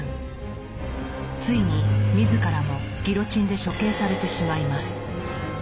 ついに自らもギロチンで処刑されてしまいます。